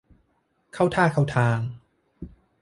เข้าท่าเข้าทาง